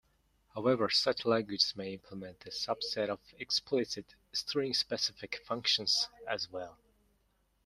However such languages may implement a subset of explicit string-specific functions as well.